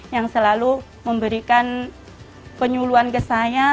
yang selalu memberikan penyuluan ke saya